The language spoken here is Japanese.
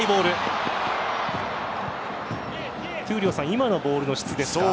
今のボールの質ですか？